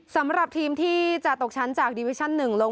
สำหรับทีมที่จะตกชั้นจากดิวิชั่น๑ลง